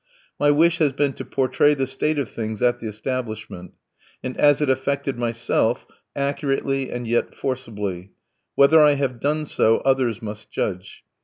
My wish has been to portray the state of things at the establishment, and as it affected myself, accurately and yet forcibly; whether I have done so others must judge.